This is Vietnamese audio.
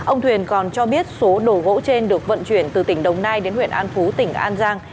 ông thuyền còn cho biết số đồ gỗ trên được vận chuyển từ tỉnh đồng nai đến huyện an phú tỉnh an giang